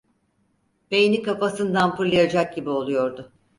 Beyni kafasından fırlayacak gibi oluyordu.